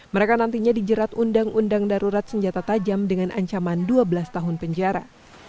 mereka nantinya dijerat undang undang darurat senjata tajam dengan ancaman dua belas tahun penjara